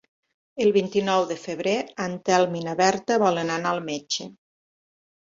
El vint-i-nou de febrer en Telm i na Berta volen anar al metge.